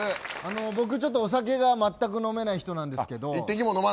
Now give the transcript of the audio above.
僕、ちょっとお酒が全く飲めない人なんですけど。